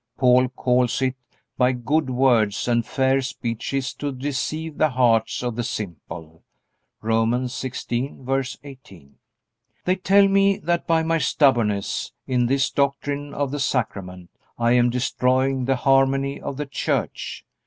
Paul calls it "by good words and fair speeches to deceive the hearts of the simple." (Romans 16:18.) They tell me that by my stubbornness in this doctrine of the Sacrament I am destroying the harmony of the church.